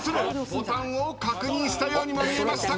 ボタンを確認したようにも見えましたが。